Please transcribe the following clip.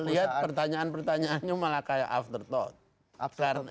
lihat pertanyaan pertanyaannya malah kayak afterthought